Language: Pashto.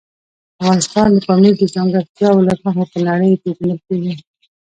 افغانستان د پامیر د ځانګړتیاوو له مخې په نړۍ پېژندل کېږي.